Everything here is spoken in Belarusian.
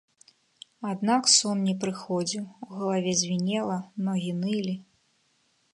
Аднак сон не прыходзіў, у галаве звінела, ногі нылі.